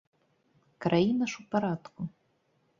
Краіна ж у парадку.